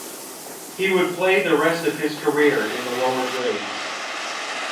He would play the rest of his career in the lower grades.